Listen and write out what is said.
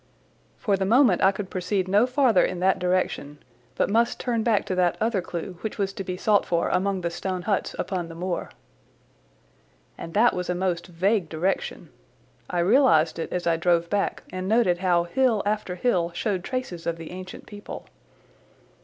For the moment I could proceed no farther in that direction, but must turn back to that other clue which was to be sought for among the stone huts upon the moor. And that was a most vague direction. I realised it as I drove back and noted how hill after hill showed traces of the ancient people.